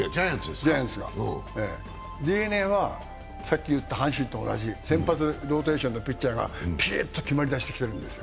ジャイアンツが、ＤｅＮＡはさっき言ったとおり先発ローテーションのピッチャーがピリッと決まりだしてるんです。